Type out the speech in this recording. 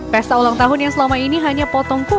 pesta ulang tahun yang selama ini hanya potong kuda